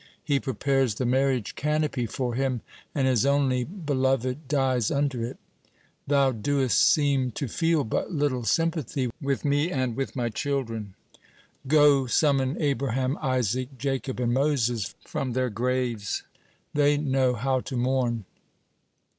He prepares the marriage canopy for him, and his only beloved dies under it. Thou doest seem to feel but little sympathy with Me and with My children. Go, summon Abraham, Isaac, Jacob, and Moses from their graces. They know how to mourn."